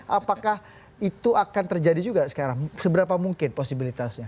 apakah itu akan terjadi juga sekarang seberapa mungkin posibilitasnya